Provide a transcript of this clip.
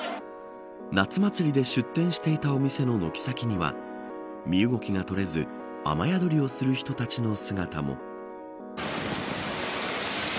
夏祭りで出店していたお店の軒先には身動きが取れず雨宿りをする人たちの姿も。